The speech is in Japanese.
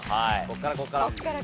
ここからここから。